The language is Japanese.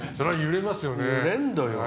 揺れるんだよ。